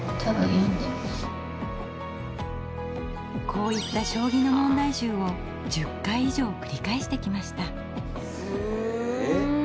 こういった将棋の問題集を１０回以上繰り返してきました。